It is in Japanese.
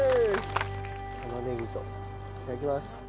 玉ねぎといただきます。